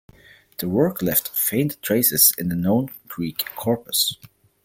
The work left faint traces in the known Greek corpus.